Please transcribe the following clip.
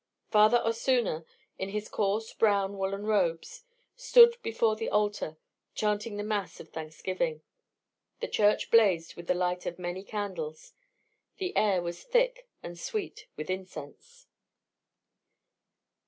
Father Osuna, in his coarse brown woollen robes, stood before the altar, chanting the mass of thanksgiving. The church blazed with the light of many candles. The air was thick and sweet with incense.